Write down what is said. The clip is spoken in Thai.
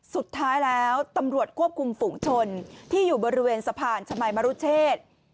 สุดท้ายแล้วตำรวจควบคุมฝุงชนที่อยู่บริเวณสะพานชมัยมรุเชษ